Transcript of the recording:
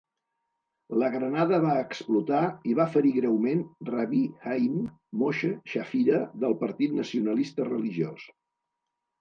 La granada va explotar i va ferir greument Rabbi Haim-Moshe Shapira del Partit Nacional Religiós.